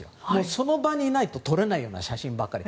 その場にいないと撮れないような写真ばっかり。